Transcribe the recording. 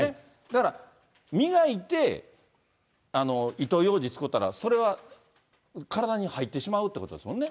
だから磨いて、糸ようじつこうたら、それは体に入ってしまうっていうことですもんね。